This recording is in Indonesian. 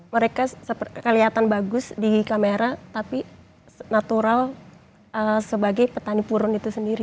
mereka kelihatan bagus di kamera tapi natural sebagai petani puron itu sendiri